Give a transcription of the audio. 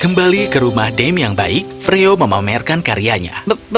kembali ke rumah dem yang baik freyo memamerkan karyanya